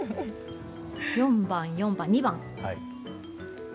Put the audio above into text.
４番、４番、２番。